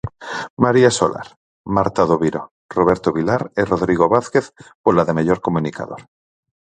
María Solar, Marta Doviro, Roberto Vilar e Rodrigo Vázquez, pola de mellor comunicador.